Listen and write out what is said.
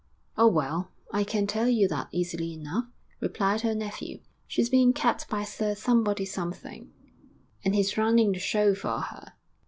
'Oh, well, I can tell you that easily enough,' replied her nephew. 'She's being kept by Sir Somebody Something, and he's running the show for her.'